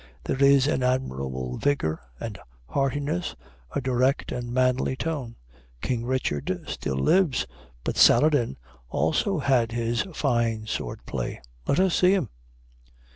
There is an admirable vigor and heartiness, a direct and manly tone; King Richard still lives; but Saladin also had his fine sword play; let us see him.